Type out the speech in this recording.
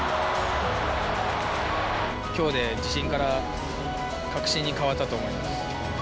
きょうで自信から確信に変わったと思います。